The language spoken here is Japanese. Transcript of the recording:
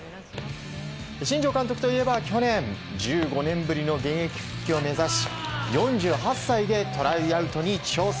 新庄監督といえば去年１５年ぶりの現役復帰を目指し４８歳でトライアウトに挑戦。